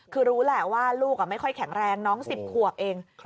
คือรู้แหละว่าลูกไม่ค่อยแข็งแรงน้อง๑๐ขวบเอง